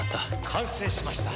完成しました。